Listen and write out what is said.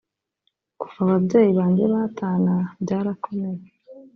kuva ababyeyi banjye batana byarakomeye